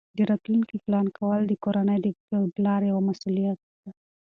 د راتلونکي پلان کول د کورنۍ د پلار یوه مسؤلیت ده.